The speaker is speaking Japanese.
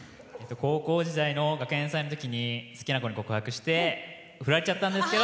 高校時代の学園祭のときに好きな子に告白して振られちゃったんですけど。